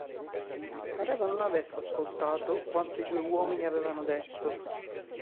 Pareva non avesse ascoltato quanto i due uomini avevano detto.